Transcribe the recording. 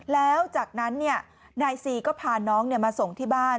แล้วจากนั้นเนี่ยนายซีก็พาน้องเนี่ยมาส่งที่บ้าน